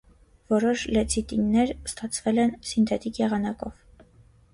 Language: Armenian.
Որոշ լեցիտիններ ստացվել են սինթետիկ եղանակով։